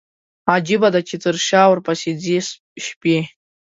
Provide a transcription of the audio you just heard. عجيبه ده، چې تر شا ورپسي ځي شپي